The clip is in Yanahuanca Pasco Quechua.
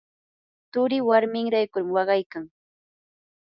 turii warmin raykun waqaykan.